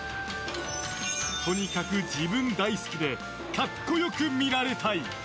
とにかく自分大好きで格好良く見られたい！